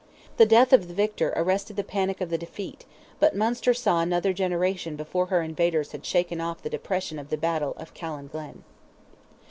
The death of the victor arrested the panic of the defeat, but Munster saw another generation before her invaders had shaken off the depression of the battle of Callan glen.